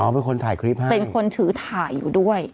เป็นคนถ่ายคลิปให้เป็นคนถือถ่ายอยู่ด้วย